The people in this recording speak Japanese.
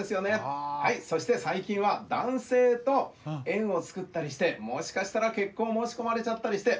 そして最近は男性とえんを作ったりしてもしかしたら結婚を申し込まれちゃったりして。